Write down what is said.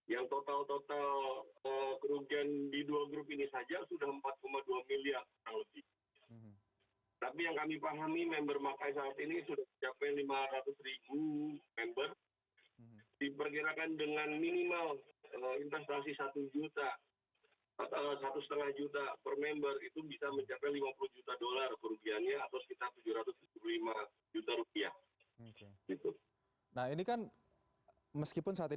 ya kalau yang kemarin saya datang ke fuolda itu bersama pak duta kemarin